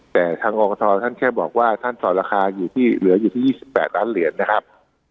แต่ทางอคทท่านแค่บอกว่าท่านสอดราคาอยู่ที่เหลืออยู่ที่๒๘ล้านเหรียญนะครับ